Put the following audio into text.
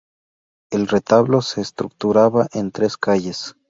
El retablo se estructuraba en tres calles.